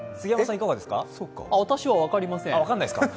私は分かりません。